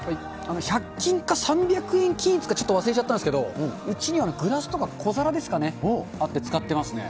１００均か３００円均一かちょっと忘れちゃったんですけれども、うちにはグラスとか小皿ですかね、あって使ってますね。